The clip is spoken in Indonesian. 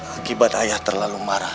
akibat ayah terlalu marah